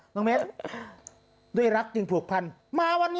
น้องเมสด้วยรักจึงผูกพันมาวันนี้